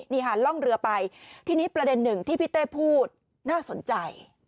นี่ค่ะล่องเรือไปทีนี้ประเด็นหนึ่งที่พี่เต้พูดน่าสนใจ